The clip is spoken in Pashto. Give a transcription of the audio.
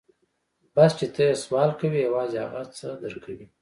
بس چې ته يې سوال کوې يوازې هغه څه در کوي.